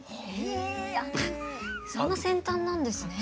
えそんな先端なんですね。